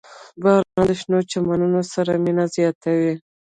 • باران د شنو چمنونو سره مینه زیاتوي.